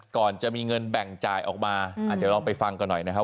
ก่อนจะมีเงินแบ่งจ่ายออกมาเดี๋ยวลองไปฟังกันหน่อยนะครับ